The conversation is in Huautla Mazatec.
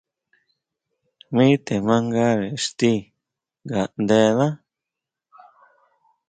Mi te mandare ixti ngaʼndená.